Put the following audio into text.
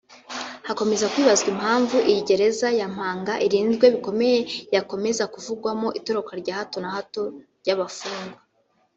Hakomeza kwibazwa impamvu iyi gereza ya Mpanga irinzwe bikomeye yakomeza kuvugwamo itoroka rya hato na hato ry’abafungwa